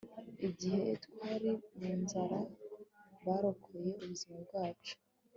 igihe twari mu nzara, barokoye ubuzima bwacu